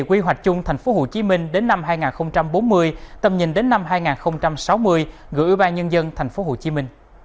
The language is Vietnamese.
quy hoạch chung tp hcm đến năm hai nghìn bốn mươi tầm nhìn đến năm hai nghìn sáu mươi gửi ủy ban nhân dân tp hcm